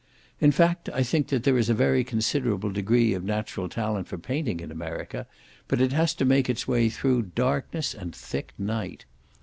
In fact, I think that there is a very considerable degree of natural talent for painting in America, but it has to make its way through darkness and thick night.